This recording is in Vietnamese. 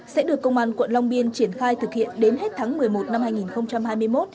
sẽ được công an quận long biên triển khai thực hiện đến hết tháng một mươi một năm hai nghìn hai mươi một